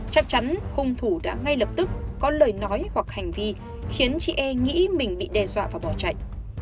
chắc chắn hung thủ đã ngay lập tức có lời nói hoặc hành vi khiến chị e nghĩ mình bị đe dọa và bỏ chạy